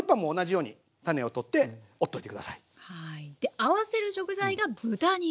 で合わせる食材が豚肉。